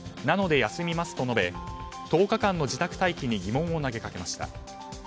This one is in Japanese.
なので休みますと述べ１０日間の自宅待機に疑問を投げかけました。